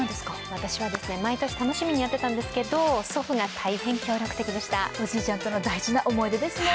私はですね、毎年楽しみにやってたんですけど、祖父が大変協力的でしたおじいちゃんとの大事な思い出ですね。